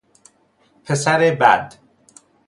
پسر بد